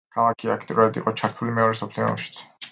ქალაქი აქტიურად იყო ჩართული მეორე მსოფლიო ომშიც.